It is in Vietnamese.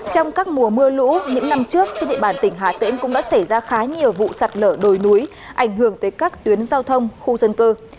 trong các mùa mưa lũ những năm trước trên địa bàn tỉnh hà tĩnh cũng đã xảy ra khá nhiều vụ sạt lở đồi núi ảnh hưởng tới các tuyến giao thông khu dân cư